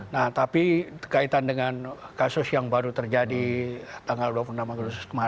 nah tapi berkaitan dengan kasus yang baru terjadi tanggal dua puluh enam maret